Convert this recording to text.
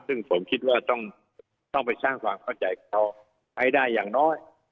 ซึ่งผมคิดว่าต้องไปสร้างความเข้าใจกับเขาให้ได้อย่างน้อย